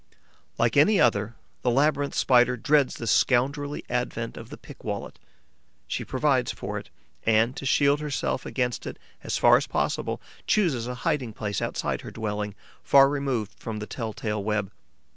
Like any other, the Labyrinth Spider dreads the scoundrelly advent of the pickwallet; she provides for it and, to shield herself against it as far as possible, chooses a hiding place outside her dwelling, far removed from the tell tale web.